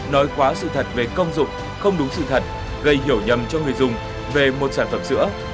nói quá sự thật về công dụng không đúng sự thật gây hiểu nhầm cho người dùng về một sản phẩm sữa